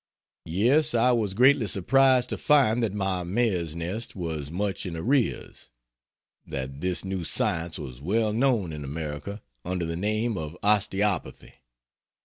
Yes, I was greatly surprised to find that my mare's nest was much in arrears: that this new science was well known in America under the name of Osteopathy.